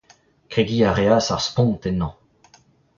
Kregiñ a reas ar spont ennañ.